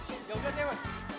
udah udah tewan